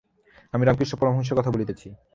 আমি রামকৃষ্ণ পরমহংসের কথা বলিতেছি।